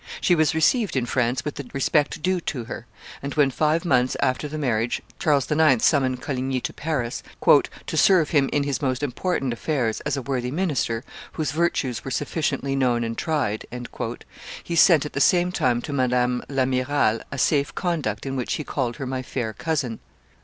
She was received in France with the respect due to her; and when, five months after the marriage, Charles; IX. summoned Coligny to Paris, "to serve him in his most important affairs, as a worthy minister, whose virtues were sufficiently known and tried," he sent at the same time to Madame l'Amirale a safe conduct in which he called her my fair cousin.